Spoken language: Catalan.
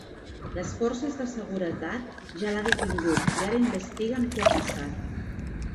Les forces de seguretat ja l’ha detingut i ara investiguen què ha passat.